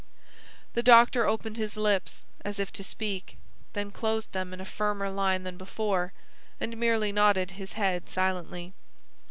The doctor opened his lips, as if to speak; then closed them in a firmer line than before, and merely nodded his head silently.